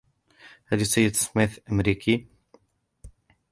هل السيد سميث أمريكي؟